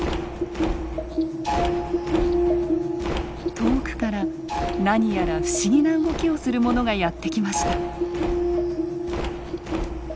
遠くから何やら不思議な動きをするものがやって来ました。